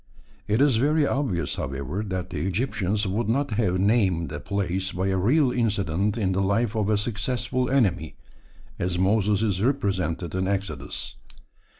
It is very obvious, however, that the Egyptians would not have named a place by a real incident in the life of a successful enemy, as Moses is represented in Exodus.